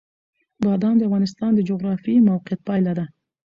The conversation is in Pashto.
بادام د افغانستان د جغرافیایي موقیعت پایله ده.